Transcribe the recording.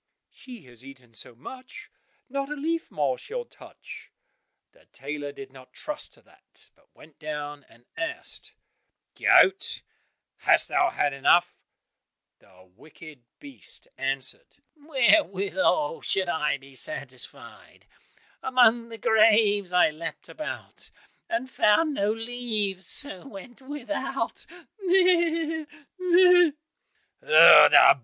"She has eaten so much, not a leaf more she'll touch." The tailor did not trust to that, but went down and asked, "Goat, hast thou had enough?" The wicked beast answered, "Wherewithal should I be satisfied? Among the graves I leapt about, And found no leaves, so went without, meh! meh!"